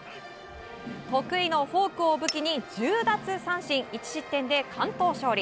得意のフォークを武器に１０奪三振１失点で完投勝利。